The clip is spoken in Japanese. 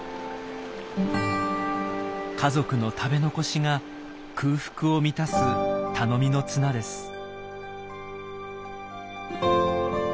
家族の食べ残しが空腹を満たす頼みの綱です。